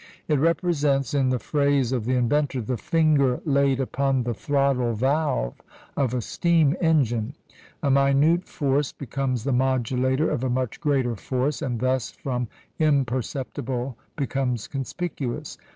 It represents, in the phrase of the inventor, the finger laid upon the throttle valve of a steam engine. A minute force becomes the modulator of a much greater force, and thus from imperceptible becomes conspicuous.